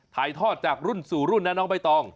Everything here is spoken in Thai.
ถ่ายทอดจากรุ่นสู่รุ่นนะน้องใบตอง